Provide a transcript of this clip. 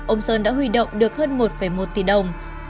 ông sơn đã huy động được hơn một một tỷ đồng